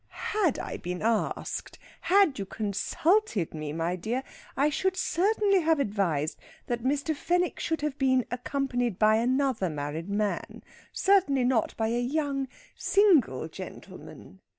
"Had I been asked had you consulted me, my dear I should certainly have advised that Mr. Fenwick should have been accompanied by another married man, certainly not by a young, single gentleman.